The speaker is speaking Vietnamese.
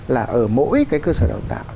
là ở mỗi cái cơ sở đào tạo